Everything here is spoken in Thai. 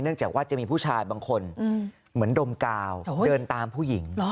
จากว่าจะมีผู้ชายบางคนเหมือนดมกาวเดินตามผู้หญิง